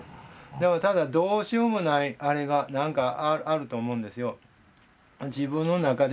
でもただどうしようもないあれがなんかあると思うんですよ。